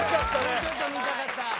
もうちょっと見たかった。